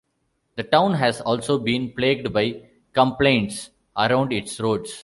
The town has also been plagued by complaints around its roads.